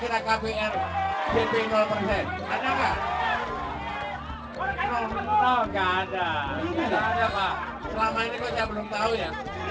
selama ini kok gak belum tau ya